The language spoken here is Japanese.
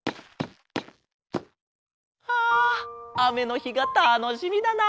ああめのひがたのしみだな！